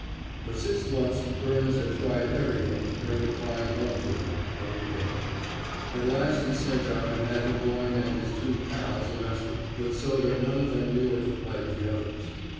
For six months Byrnes had tried everything to bring the crime home to him, but in vain. At last he sent out and had McGloin and his two "pals" arrested, but so that none of them knew of the plight of the others.